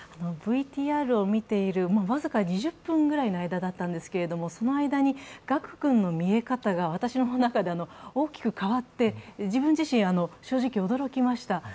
ＶＴＲを見ている僅か２０分ぐらいの間だったんですけれども、その間に賀久君の見え方が私の中で大きく変わって、自分自身、正直、驚きました。